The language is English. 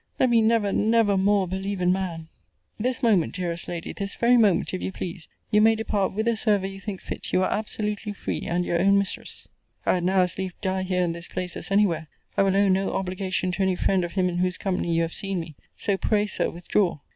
let me never, never more believe in man! This moment, dearest lady, this very moment, if you please, you may depart whithersoever you think fit. You are absolutely free, and your own mistress. I had now as lieve die here in this place, as any where. I will owe no obligation to any friend of him in whose company you have seen me. So, pray, Sir, withdraw.